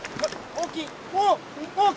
大きい！